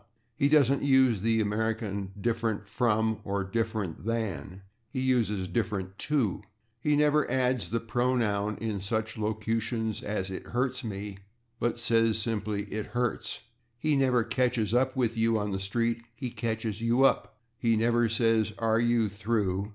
He doesn't use the American "different /from/" or "different /than/"; he uses "different /to/." He never adds the pronoun in such locutions as "it hurts /me/," but says simply "it hurts." He never "catches /up with you/" on the street; he "catches /you up/." He never says "are you through?"